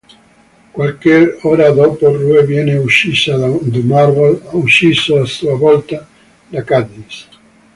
Qualche ora dopo Rue viene uccisa da Marvel, ucciso a sua volta da Katniss.